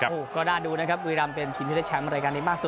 โอ้โหก็น่าดูนะครับบุรีรำเป็นทีมที่ได้แชมป์รายการนี้มากสุด